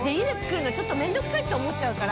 遒襪ちょっと面倒くさいって思っちゃうから。